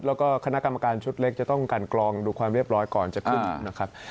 แล้วก็คณะกรรมการชุดเล็กจะต้องกันกรองดูความเรียบร้อยก่อนจะขึ้นนะครับ